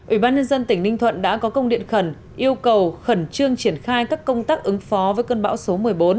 ủy ban nhân dân tỉnh ninh thuận đã có công điện khẩn yêu cầu khẩn trương triển khai các công tác ứng phó với cơn bão số một mươi bốn